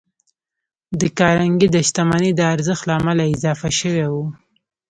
د کارنګي د شتمنۍ د ارزښت له امله اضافه شوي وو.